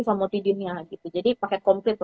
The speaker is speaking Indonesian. pamotidinnya jadi pakai komplit